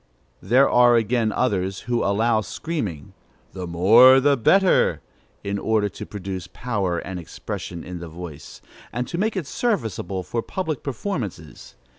There are again others who allow screaming, "the more the better," in order to produce power and expression in the voice, and to make it serviceable for public performances.